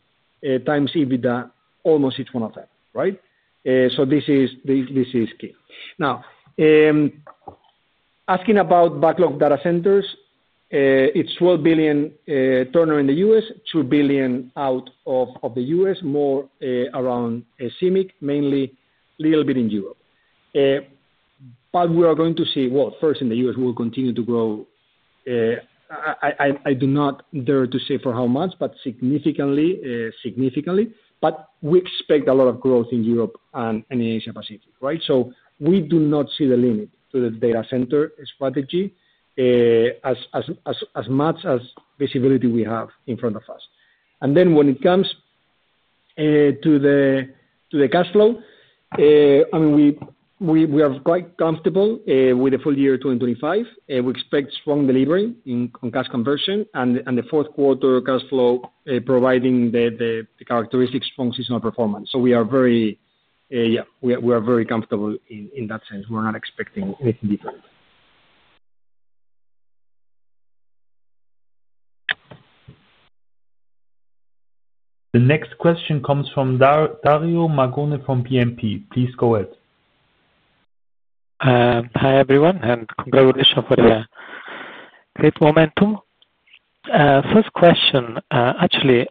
[SPEAKER 3] times EBITDA almost each one of them, right? This is key. Now, asking about backlog data centers. It's $12 billion Turner in the U.S., $2 billion out of the U.S., more around CIMIC, mainly a little bit in Europe. We are going to see, first in the U.S., we will continue to grow. I do not dare to say for how much, but significantly. We expect a lot of growth in Europe and in Asia-Pacific, right? We do not see the limit to the data center strategy, as much as visibility we have in front of us. When it comes to the cash flow, I mean, we are quite comfortable with the full year 2025. We expect strong delivery on cash conversion and the fourth quarter cash flow providing the characteristic strong seasonal performance. We are very, yeah, we are very comfortable in that sense. We're not expecting anything different.
[SPEAKER 1] The next question comes from Dario Maglione from BNP. Please go ahead.
[SPEAKER 6] Hi, everyone, and congratulations for the great momentum. First question, actually,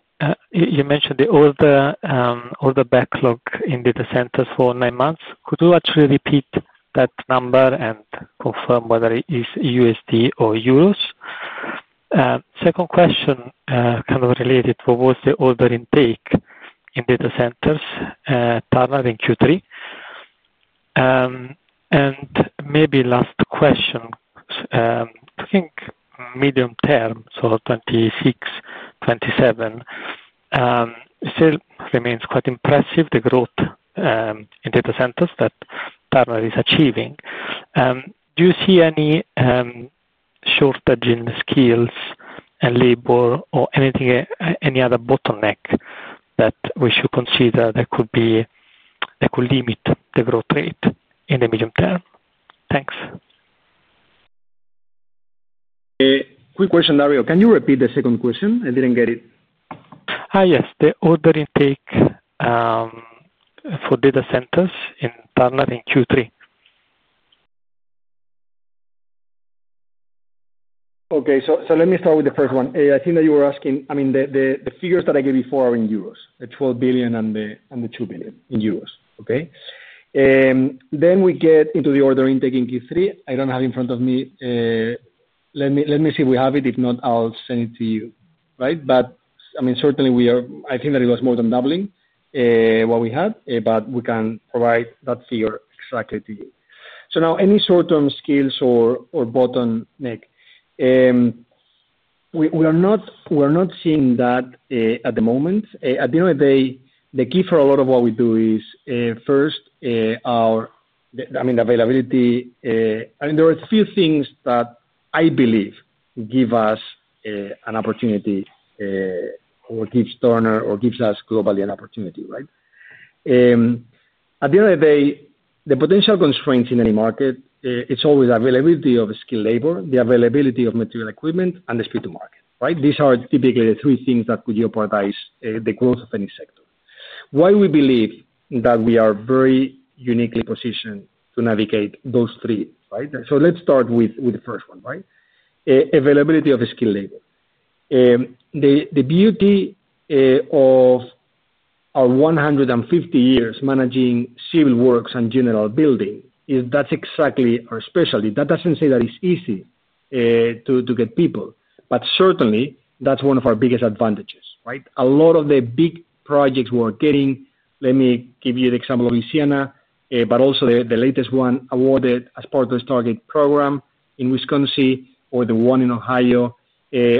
[SPEAKER 6] you mentioned the order backlog in data centers for nine months. Could you actually repeat that number and confirm whether it is USD or euros? Second question, kind of related, what was the order intake in data centers, Turner in Q3? And maybe last question. I think medium term, so 2026, 2027, still remains quite impressive, the growth in data centers that Turner is achieving. Do you see any shortage in skills and labor or any other bottleneck that we should consider that could limit the growth rate in the medium term? Thanks.
[SPEAKER 3] Quick question, Dario. Can you repeat the second question? I did not get it.
[SPEAKER 6] Hi, yes. The order intake for data centers in Turner in Q3? Okay. Let me start with the first one.
[SPEAKER 3] I think that you were asking, I mean, the figures that I gave before are in EUR, the 12 billion and the 2 billion in EUR, okay? We get into the order intake in Q3. I do not have it in front of me. Let me see if we have it. If not, I will send it to you, right? I mean, certainly, I think that it was more than doubling what we had, but we can provide that figure exactly to you. Now, any short-term skills or bottleneck? We are not seeing that at the moment. At the end of the day, the key for a lot of what we do is, first, our, I mean, availability. I mean, there are a few things that I believe give us an opportunity or gives Turner or gives us globally an opportunity, right? At the end of the day, the potential constraints in any market, it's always availability of skilled labor, the availability of material equipment, and the speed to market, right? These are typically the three things that could jeopardize the growth of any sector. Why we believe that we are very uniquely positioned to navigate those three, right? Let's start with the first one, right? Availability of skilled labor. The beauty of our 150 years managing civil works and general building is that's exactly our specialty. That doesn't say that it's easy to get people, but certainly, that's one of our biggest advantages, right? A lot of the big projects we're getting, let me give you the example of Louisiana, but also the latest one awarded as part of the Stargate program in Wisconsin, or the one in Ohio,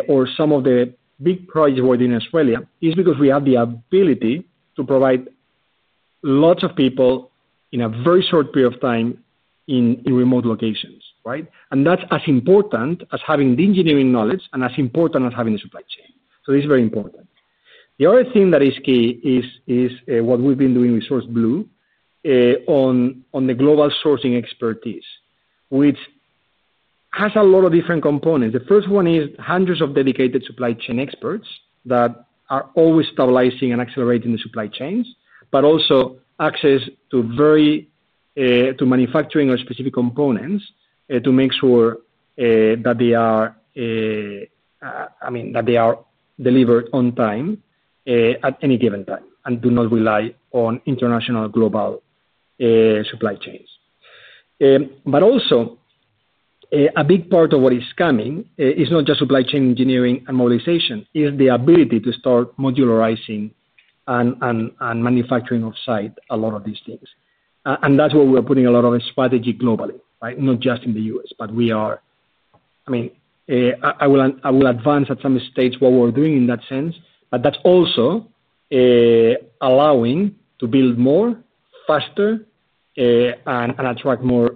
[SPEAKER 3] or some of the big projects we're doing in Australia, is because we have the ability to provide lots of people in a very short period of time in remote locations, right? That is as important as having the engineering knowledge and as important as having the supply chain. This is very important. The other thing that is key is what we've been doing with SourceBlue on the global sourcing expertise, which has a lot of different components. The first one is hundreds of dedicated supply chain experts that are always stabilizing and accelerating the supply chains, but also access to manufacturing or specific components to make sure that they are. I mean, that they are delivered on time. At any given time and do not rely on international global supply chains. Also, a big part of what is coming is not just supply chain engineering and mobilization. It is the ability to start modularizing and manufacturing off-site a lot of these things. That is where we are putting a lot of strategy globally, right? Not just in the U.S., but we are, I mean, I will advance at some stage what we are doing in that sense, but that is also allowing to build more, faster, and attract more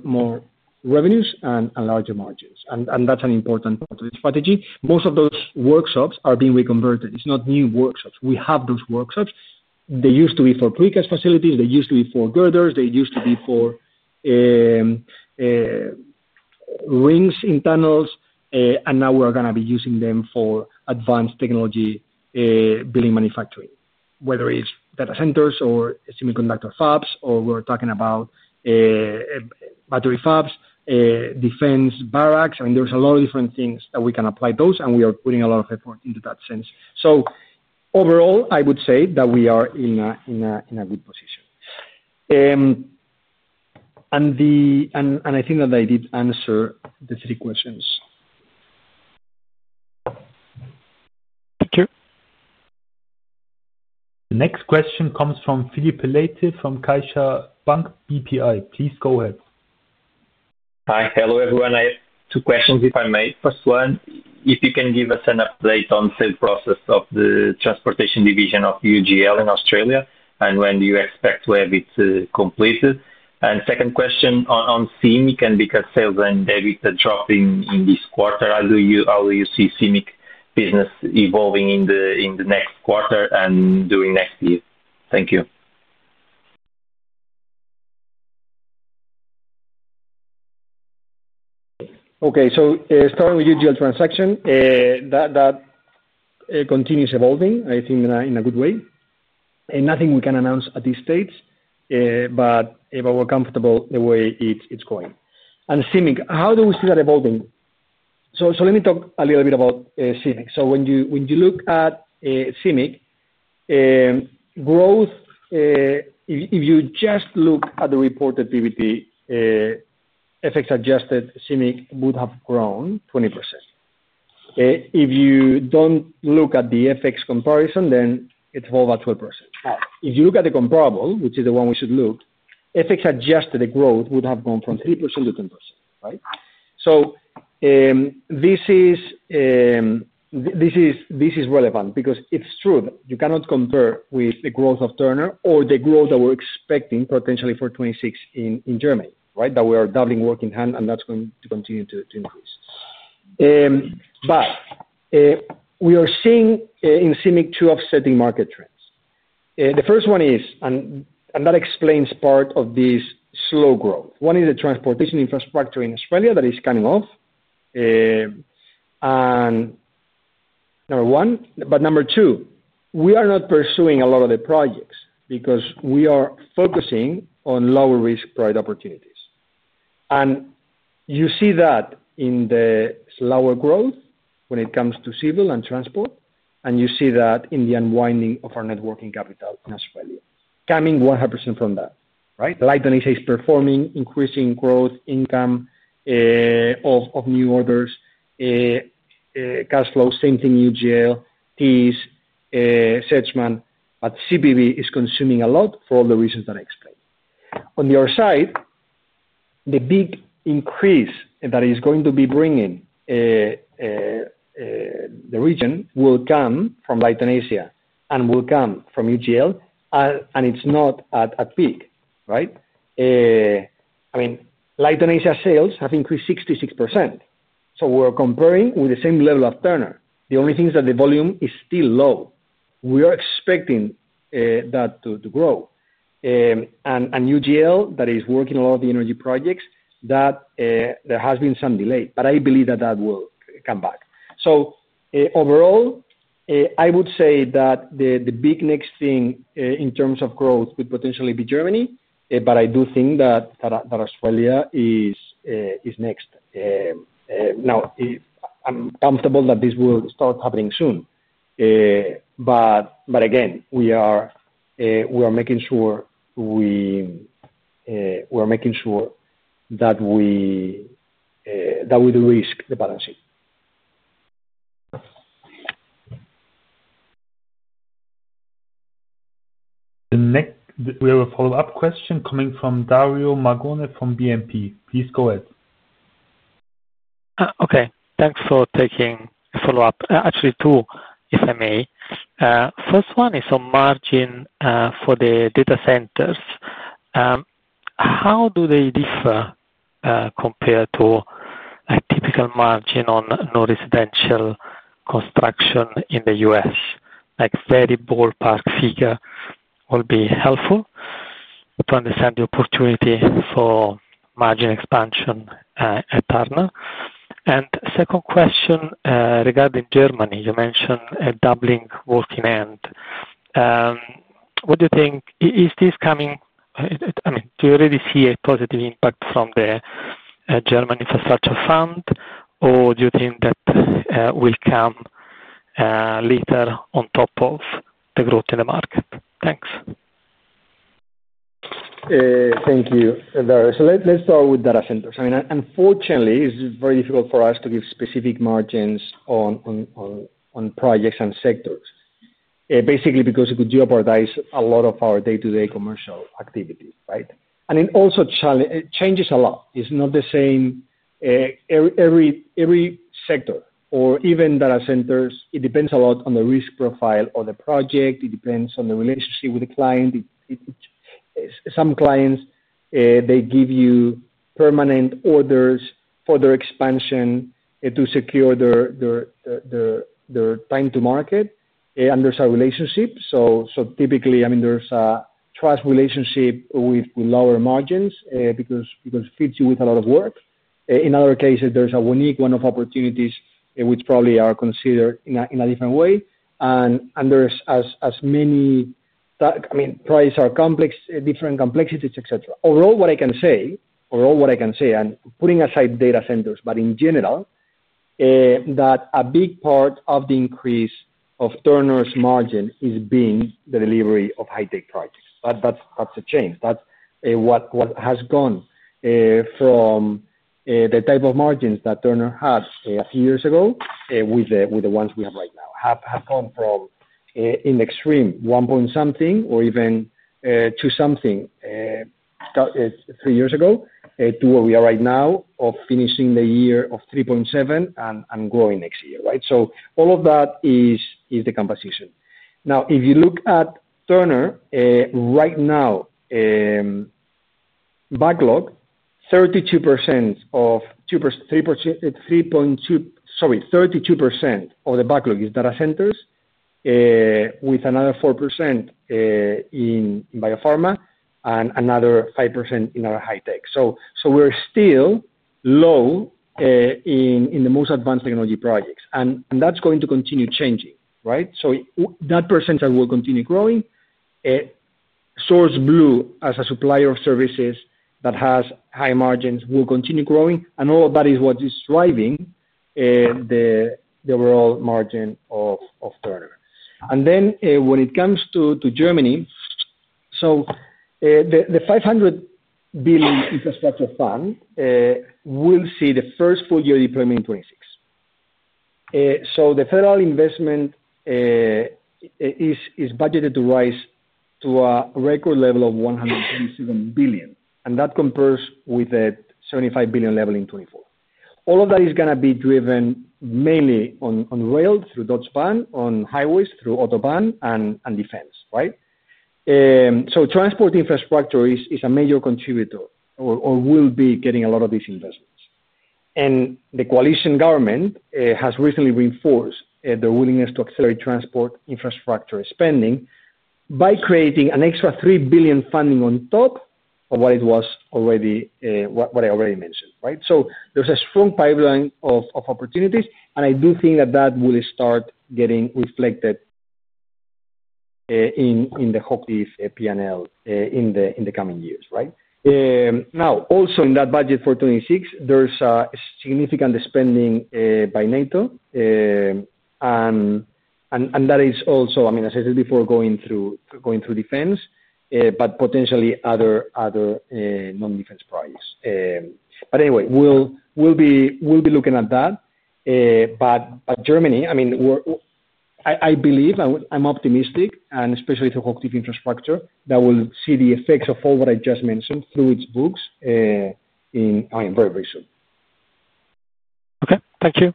[SPEAKER 3] revenues and larger margins. That is an important part of the strategy. Most of those workshops are being reconverted. It is not new workshops. We have those workshops. They used to be for precursor facilities. They used to be for girders. They used to be for rings in tunnels. Now we're going to be using them for advanced technology. Building manufacturing, whether it's data centers or semiconductor fabs, or we're talking about battery fabs, defense barracks. I mean, there's a lot of different things that we can apply those, and we are putting a lot of effort into that sense. Overall, I would say that we are in a good position. I think that I did answer the three questions.
[SPEAKER 6] Thank you.
[SPEAKER 1] The next question comes from Filipe Leite from CaixaBank BPI. Please go ahead.
[SPEAKER 7] Hi, hello, everyone. I have two questions, if I may. First one, if you can give us an update on the sales process of the transportation division of UGL in Australia and when do you expect to have it completed? Second question on CIMIC and because sales and EBITDA dropping in this quarter, how do you see CIMIC business evolving in the next quarter and during next year? Thank you.
[SPEAKER 3] Okay. Starting with UGL transaction. That continues evolving, I think, in a good way. Nothing we can announce at this stage, but we're comfortable the way it's going. CIMIC, how do we see that evolving? Let me talk a little bit about CIMIC. When you look at CIMIC growth, if you just look at the reported PBT, FX adjusted CIMIC would have grown 20%. If you do not look at the FX comparison, then it is about 12%. Now, if you look at the comparable, which is the one we should look at, FX adjusted growth would have gone from 3% to 10%, right? This is. Relevant because it's true that you cannot compare with the growth of Turner or the growth that we're expecting potentially for 2026 in Germany, right? That we are doubling working hand, and that's going to continue to increase. We are seeing in CIMIC two offsetting market trends. The first one is, and that explains part of this slow growth. One is the transportation infrastructure in Australia that is coming off. Number one. Number two, we are not pursuing a lot of the projects because we are focusing on lower-risk priority opportunities. You see that in the slower growth when it comes to civil and transport, and you see that in the unwinding of our networking capital in Australia. Coming 100% from that, right? Like Dornan is performing, increasing growth, income of new orders. Cash flow, same thing UGL, Thiess. SEDSMAN, but CBB is consuming a lot for all the reasons that I explained. On the other side, the big increase that is going to be bringing the region will come from Leighton Asia and will come from UGL, and it's not at peak, right? I mean, Leighton Asia sales have increased 66%. So we're comparing with the same level of Turner. The only thing is that the volume is still low. We are expecting that to grow. And UGL that is working a lot of the energy projects, that there has been some delay, but I believe that that will come back. Overall, I would say that the big next thing in terms of growth could potentially be Germany, but I do think that Australia is next. Now, I'm comfortable that this will start happening soon. Again, we are making sure we are making sure that we. Risk the balance sheet.
[SPEAKER 1] Next, we have a follow-up question coming from Dario Maglione from BNP. Please go ahead.
[SPEAKER 6] Okay. Thanks for taking a follow-up. Actually, two, if I may. First one is on margin for the data centers. How do they differ compared to a typical margin on non-residential construction in the US? Very ballpark figure will be helpful to understand the opportunity for margin expansion at Turner. Second question regarding Germany, you mentioned a doubling working end. What do you think is this coming? I mean, do you already see a positive impact from the German infrastructure fund, or do you think that will come later on top of the growth in the market? Thanks.
[SPEAKER 3] Thank you, Dario. Let's start with data centers. I mean, unfortunately, it's very difficult for us to give specific margins on projects and sectors. Basically because it could jeopardize a lot of our day-to-day commercial activity, right? It also changes a lot. It's not the same. Every sector or even data centers, it depends a lot on the risk profile of the project. It depends on the relationship with the client. Some clients, they give you permanent orders for their expansion to secure their time to market, and there's a relationship. Typically, I mean, there's a trust relationship with lower margins because it fits you with a lot of work. In other cases, there's a unique one-off opportunity which probably is considered in a different way. Prices are different, complexities, etc. Overall, what I can say, and putting aside data centers, but in general. That a big part of the increase of Turner's margin is being the delivery of high-tech projects. That's a change. That's what has gone from. The type of margins that Turner had a few years ago with the ones we have right now. Have gone from. In the extreme 1 point something or even. 2 something. Three years ago to where we are right now of finishing the year of 3.7 and growing next year, right? All of that is the composition. Now, if you look at Turner right now. Backlog, 32% of. 3.2, sorry, 32% of the backlog is data centers. With another 4%. In biopharma and another 5% in our high-tech. We're still. Low. In the most advanced technology projects. That's going to continue changing, right? That percentage will continue growing. SourceBlue, as a supplier of services that has high margins, will continue growing. All of that is what is driving the overall margin of Turner. When it comes to Germany, the 500 billion infrastructure fund will see the first full-year deployment in 2026. The federal investment is budgeted to rise to a record level of 127 billion, and that compares with the 75 billion level in 2024. All of that is going to be driven mainly on rail through Deutsche Bahn, on highways through Autobahn, and defense, right? Transport infrastructure is a major contributor or will be getting a lot of these investments. The coalition government has recently reinforced the willingness to accelerate transport infrastructure spending by creating an extra 3 billion funding on top of what I already mentioned, right? There is a strong pipeline of opportunities, and I do think that that will start getting reflected. In the HOCHTIEF P&L in the coming years, right? Now, also in that budget for 2026, there's significant spending by NATO. That is also, I mean, as I said before, going through defense, but potentially other non-defense projects. Anyway, we'll be looking at that. Germany, I mean, I believe, I'm optimistic, and especially through HOCHTIEF infrastructure, that we'll see the effects of all what I just mentioned through its books very, very soon.
[SPEAKER 6] Okay. Thank you.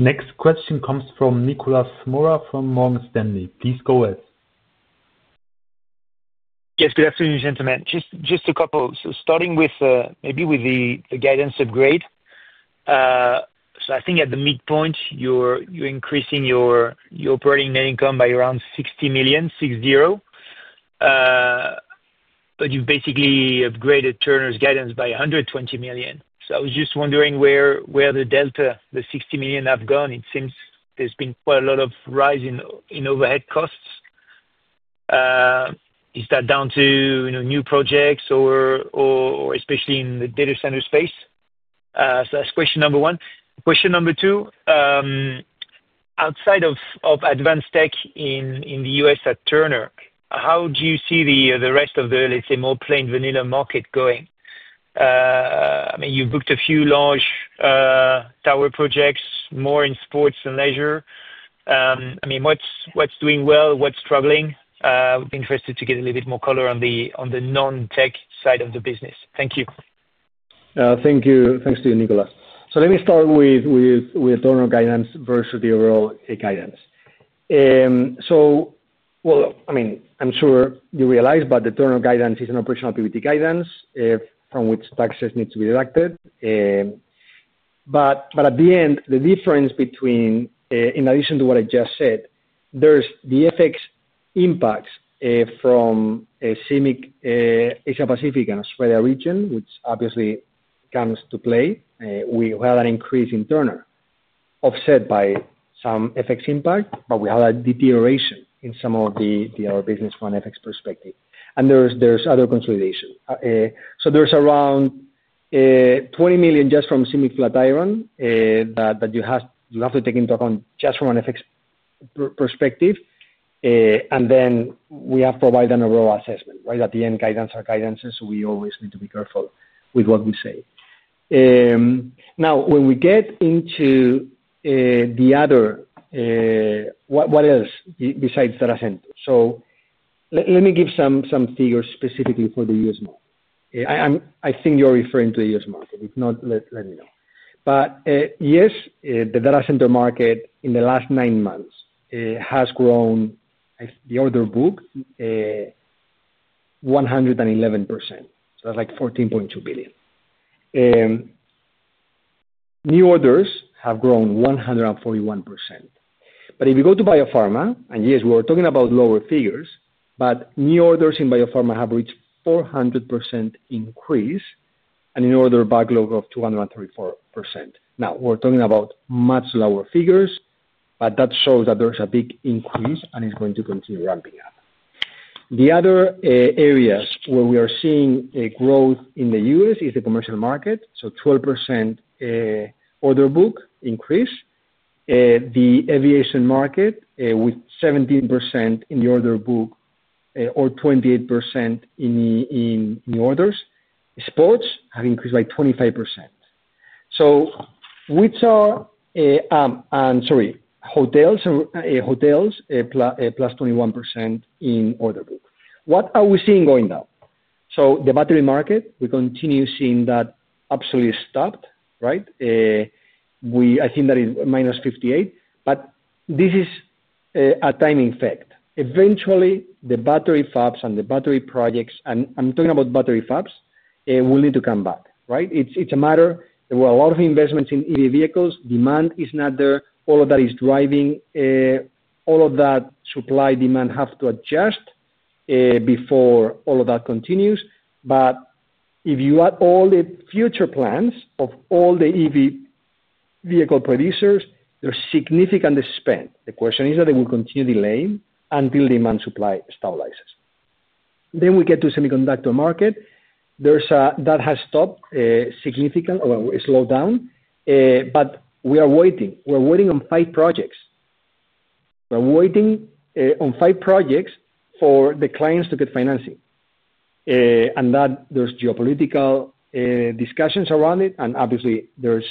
[SPEAKER 1] Next question comes from Nicolas Mora from Morgan Stanley. Please go ahead.
[SPEAKER 8] Yes. Good afternoon, gentlemen. Just a couple. Starting with maybe with the guidance upgrade. I think at the midpoint, you're increasing your operating net income by around 60 million, 6-0. You've basically upgraded Turner's guidance by 120 million. I was just wondering where the delta, the 60 million, have gone. It seems there's been quite a lot of rise in overhead costs. Is that down to new projects or, especially in the data center space? So that's question number one. Question number two. Outside of advanced tech in the US at Turner, how do you see the rest of the, let's say, more plain vanilla market going? I mean, you've booked a few large tower projects, more in sports and leisure. I mean, what's doing well? What's struggling? Interested to get a little bit more color on the non-tech side of the business. Thank you.
[SPEAKER 3] Thank you. Thanks to you, Nicholas. Let me start with Turner guidance versus the overall guidance. I mean, I'm sure you realize, but the Turner guidance is an operational PBT guidance from which taxes need to be deducted. At the end, the difference between, in addition to what I just said, there's the FX impacts from CIMIC Asia-Pacific and Australia region, which obviously comes to play. We had an increase in Turner offset by some FX impact, but we had a deterioration in some of the other business from an FX perspective. There's other consolidation. There's around 20 million just from CIMIC Flatiron that you have to take into account just from an FX perspective. We have provided an overall assessment, right? At the end, guidance are guidances, so we always need to be careful with what we say. Now, when we get into the other, what else besides data centers? Let me give some figures specifically for the US market. I think you're referring to the US market. If not, let me know. Yes, the data center market in the last nine months has grown. The order book, 111%. That is like 14.2 billion. New orders have grown 141%. If you go to biopharma, and yes, we were talking about lower figures, but new orders in biopharma have reached a 400% increase and an order backlog of 234%. Now, we are talking about much lower figures, but that shows that there is a big increase and it is going to continue ramping up. The other areas where we are seeing growth in the U.S. is the commercial market, so 12% order book increase. The aviation market with 17% in the order book or 28% in new orders. Sports have increased by 25%. Hotels, plus 21% in order book. What are we seeing going down? The battery market, we continue seeing that absolutely stopped, right? I think that is minus 58. This is a timing fact. Eventually, the battery fabs and the battery projects, and I'm talking about battery fabs, will need to come back, right? It's a matter there were a lot of investments in EV vehicles. Demand is not there. All of that is driving. All of that supply demand have to adjust before all of that continues. If you add all the future plans of all the EV vehicle producers, there's significant spend. The question is that it will continue delaying until demand supply stabilizes. We get to semiconductor market. That has stopped significant or slowed down. We are waiting. We're waiting on five projects. We're waiting on five projects for the clients to get financing. There's geopolitical discussions around it, and obviously, there's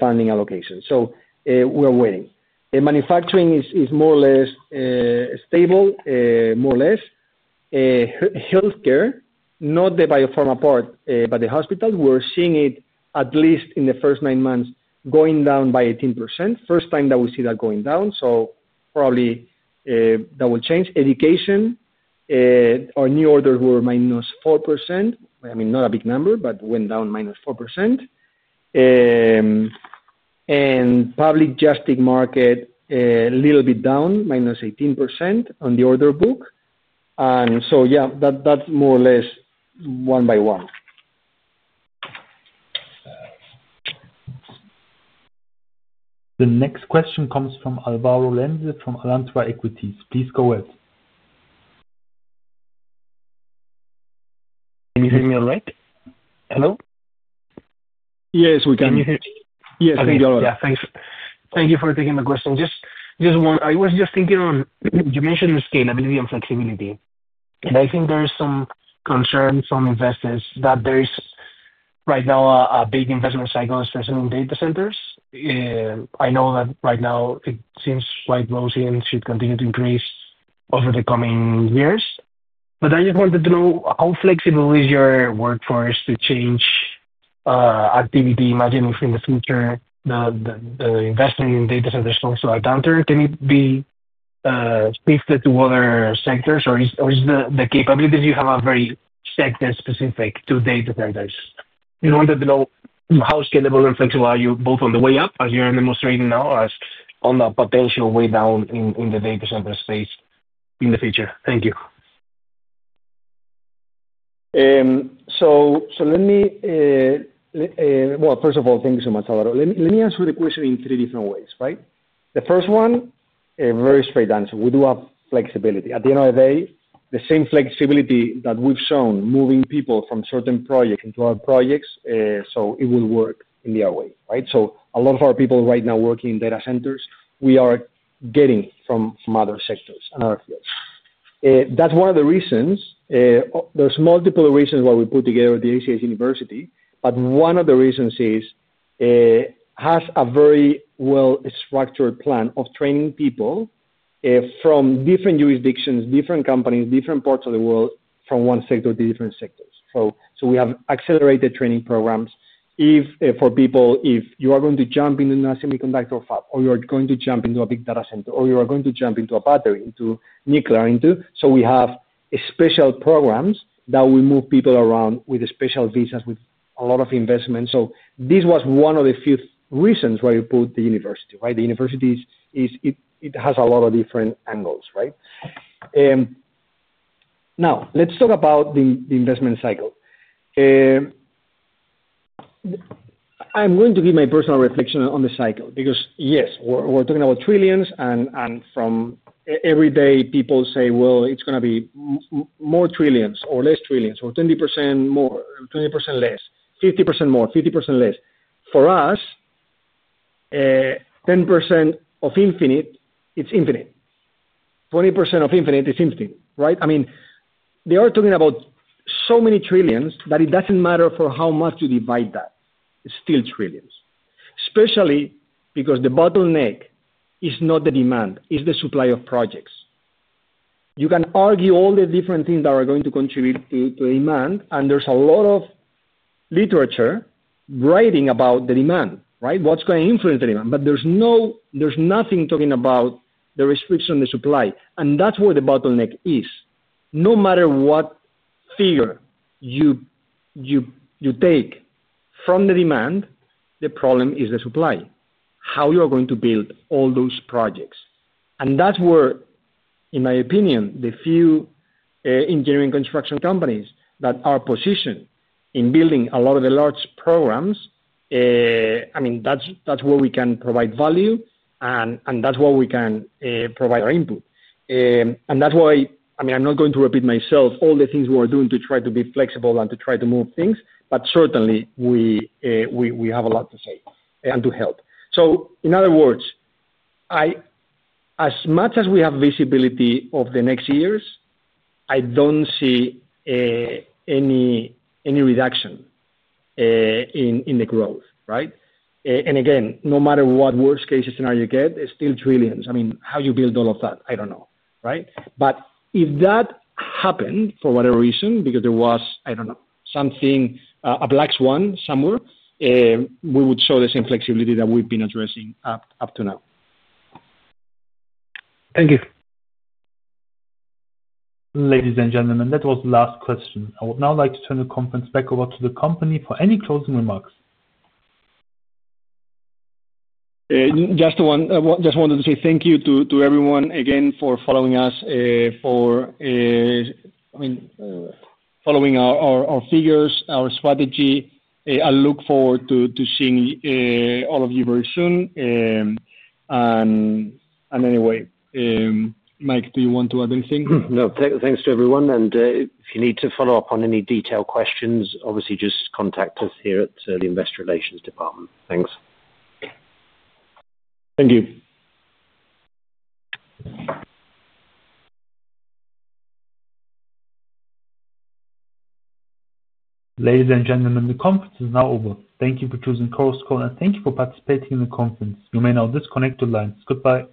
[SPEAKER 3] funding allocation. We're waiting. Manufacturing is more or less. Stable, more or less. Healthcare, not the biopharma part, but the hospital, we're seeing it at least in the first nine months going down by 18%. First time that we see that going down. Probably that will change. Education. Our new orders were minus 4%. I mean, not a big number, but went down minus 4%. Public justice market, a little bit down, minus 18% on the order book. Yeah, that's more or less one by one.
[SPEAKER 1] The next question comes from Álvaro Lenze from Alantra Equities. Please go ahead.
[SPEAKER 9] Can you hear me all right? Hello?
[SPEAKER 1] Yes, we can.
[SPEAKER 9] Can you hear me?
[SPEAKER 1] Yes, I can hear you all right.
[SPEAKER 9] Yeah. Thanks. Thank you for taking the question. Just one, I was just thinking on you mentioned the scalability and flexibility. I think there's some concerns from investors that there's right now a big investment cycle especially in data centers. I know that right now it seems quite rosy and should continue to increase over the coming years. I just wanted to know how flexible is your workforce to change activity. Imagine if in the future the investment in data centers also are downturned, can it be shifted to other sectors, or is the capabilities you have very sector-specific to data centers? I wanted to know how scalable and flexible are you both on the way up as you're demonstrating now, as on the potential way down in the data center space in the future. Thank you.
[SPEAKER 3] First of all, thank you so much, Alvaro. Let me answer the question in three different ways, right? The first one, a very straight answer. We do have flexibility. At the end of the day, the same flexibility that we've shown moving people from certain projects into other projects, it will work in the other way, right? A lot of our people right now working in data centers, we are getting from other sectors and other fields. That's one of the reasons. There are multiple reasons why we put together the ACS University, but one of the reasons is it has a very well-structured plan of training people from different jurisdictions, different companies, different parts of the world, from one sector to different sectors. We have accelerated training programs for people. If you are going to jump into a semiconductor fab, or you're going to jump into a big data center, or you're going to jump into a battery, into nuclear, we have special programs that will move people around with special visas, with a lot of investments. This was one of the few reasons why we put the university, right? The university has a lot of different angles, right? Now, let's talk about the investment cycle. I'm going to give my personal reflection on the cycle because, yes, we're talking about trillions, and every day, people say, "It's going to be more trillions or less trillions or 20% more, 20% less, 50% more, 50% less." For us, 10% of infinite is infinite. 20% of infinite is infinite, right? I mean, they are talking about so many trillions that it doesn't matter for how much you divide that. It's still trillions. Especially because the bottleneck is not the demand. It's the supply of projects. You can argue all the different things that are going to contribute to demand, and there's a lot of literature writing about the demand, right? What's going to influence the demand? There's nothing talking about the restriction on the supply. That's where the bottleneck is. No matter what figure you take from the demand, the problem is the supply. How you are going to build all those projects. That's where, in my opinion, the few engineering construction companies that are positioned in building a lot of the large programs, I mean, that's where we can provide value, and that's where we can provide our input. That is why, I mean, I'm not going to repeat myself, all the things we are doing to try to be flexible and to try to move things, but certainly we have a lot to say and to help. In other words, as much as we have visibility of the next years, I do not see any reduction in the growth, right? Again, no matter what worst-case scenario you get, it is still trillions. I mean, how you build all of that, I do not know, right? If that happened for whatever reason, because there was, I do not know, something, a black swan somewhere, we would show the same flexibility that we have been addressing up to now.
[SPEAKER 9] Thank you.
[SPEAKER 1] Ladies and gentlemen, that was the last question. I would now like to turn the conference back over to the company for any closing remarks.
[SPEAKER 3] Just wanted to say thank you to everyone again for following us, for, I mean, following our figures, our strategy. I look forward to seeing all of you very soon. Anyway, Mike, do you want to add anything?
[SPEAKER 2] No. Thanks to everyone. If you need to follow up on any detailed questions, obviously, just contact us here at the Investor Relations Department. Thanks.
[SPEAKER 3] Thank you.
[SPEAKER 1] Ladies and gentlemen, the conference is now over. Thank you for choosing CorusCall, and thank you for participating in the conference. You may now disconnect your lines. Goodbye.